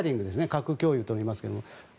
核共有とありますけど。